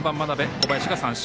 小林が三振。